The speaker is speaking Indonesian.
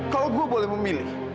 kalau gue boleh memilih